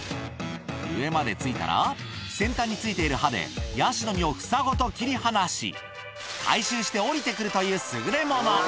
上までついたら、先端についている刃でヤシの実を房ごと切り離し、回収して下りてくるという優れもの。